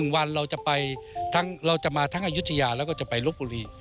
วันเราจะไปทั้งเราจะมาทั้งอายุทยาแล้วก็จะไปลบบุรี